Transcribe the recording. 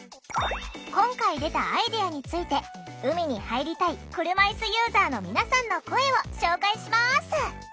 今回出たアイデアについて海に入りたい車いすユーザーの皆さんの声を紹介します！